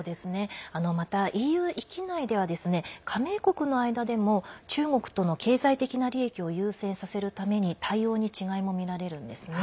またＥＵ域内では加盟国の間でも中国との経済的な利益を優先させるために対応に違いも見られるんですね。